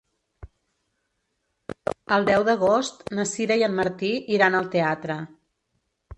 El deu d'agost na Sira i en Martí iran al teatre.